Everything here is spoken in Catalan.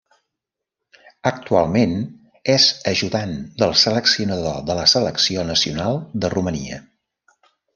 Actualment és ajudant del seleccionador de la selecció nacional de Romania.